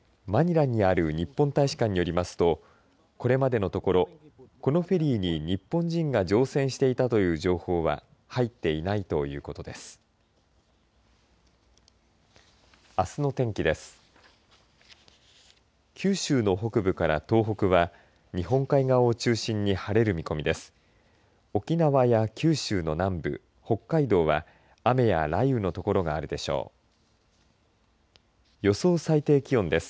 マニラにある日本大使館によりますとこれまでのところこのフェリーに日本人が乗船していたという情報は入っていないということです。